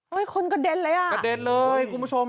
มันกระเด็นเลยเลยคุณผู้ชม